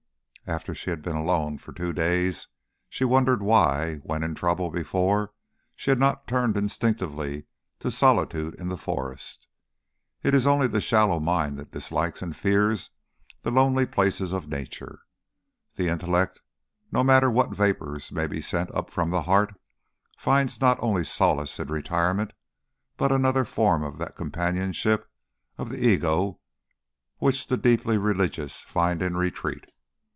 After she had been alone for two days she wondered why, when in trouble before, she had not turned instinctively to solitude in the forest. It is only the shallow mind that dislikes and fears the lonely places of Nature: the intellect, no matter what vapours may be sent up from the heart, finds not only solace in retirement, but another form of that companionship of the ego which the deeply religious find in retreat.